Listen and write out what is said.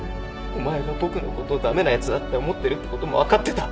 お前が僕のことを駄目なやつだって思ってるってことも分かってた。